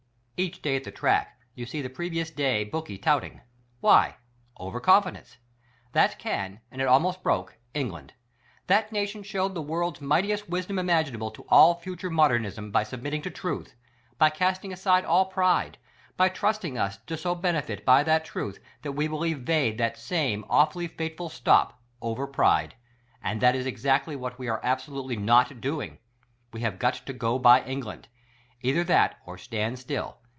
Each day at the track you see the previous day "Bookie" touting. Why? Over confidence. That can, and it almost broke, England. That nation showed the world's mightiest wisdom imaginable to all future modernism by submitting to truth ; by casting aside all pride ; by trusting us to so benefit by that truth that we wall evade that same, awfully fateful stop— over pride. And that is exactly what we are absolutely not doing. We have got to go by England ; either that, or stand still.